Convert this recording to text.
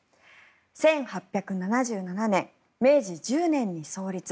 １８７７年、明治１０年に創立。